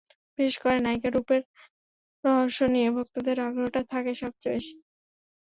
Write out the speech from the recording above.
বিশেষ করে নায়িকার রূপের রহস্য নিয়ে ভক্তদের আগ্রহটা থাকে সবচেয়ে বেশি।